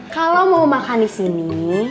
kalo mau makan disini